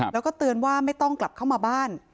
แล้วก็เตือนว่าไม่ต้องกลับเข้ามาบ้าน